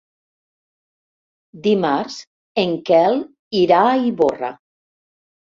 Dimarts en Quel irà a Ivorra.